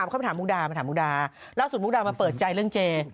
เขาไปถามมุกดาล่าสุดมุกดามาเปิดใจเรื่องเจ๊